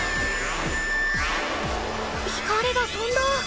光がとんだ！